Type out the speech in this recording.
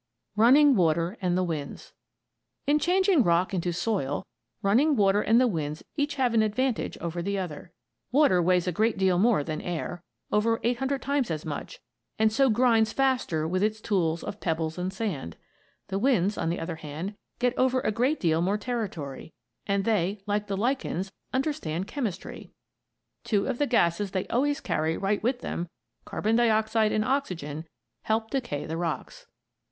RUNNING WATER AND THE WINDS In changing rock into soil, running water and the winds each have an advantage over the other. Water weighs a great deal more than air over 800 times as much and so grinds faster with its tools of pebbles and sand. The winds, on the other hand, get over a great deal more territory, and they, like the lichens, understand chemistry. Two of the gases they always carry right with them carbon dioxide and oxygen help decay the rocks.